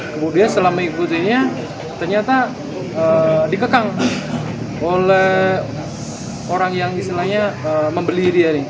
kemudian setelah mengikutinya ternyata dikekang oleh orang yang istilahnya membeli dia nih